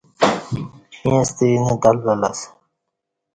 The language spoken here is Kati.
ایںستہ اینہ تلول اسہ